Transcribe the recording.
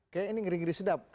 kayaknya ini ngeri ngeri sedap